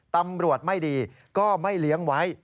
ตำรวจไม่ดีก็ไม่เลี้ยงไว้